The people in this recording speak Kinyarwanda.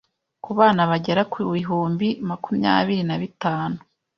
ku bana bagera ku bihumbi makumyabiri na bitanu